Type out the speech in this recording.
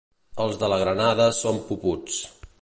Els de la Granada són puputs.